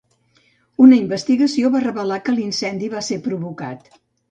Una investigació va revelar que l'incendi va ser provocat.